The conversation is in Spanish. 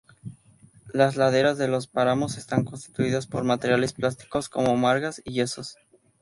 Las laderas de los páramos están constituidas por materiales plásticos como margas y yesos.